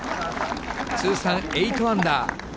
通算８アンダー。